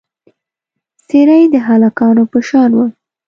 څېره یې د هلکانو په شان وه.